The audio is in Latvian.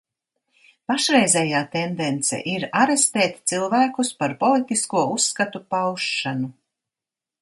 Pašreizējā tendence ir arestēt cilvēkus par politisko uzskatu paušanu.